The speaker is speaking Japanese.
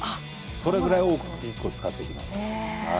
それぐらい多くキックを使っていきます。